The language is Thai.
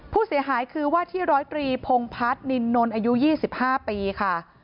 ผู้เสียหายคือว่าที่ร้อยตรีพงพัฒนินนอายุ๒๕ปีค่ะ